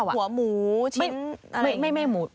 เหมือนหัวหมูชิ้นอะไร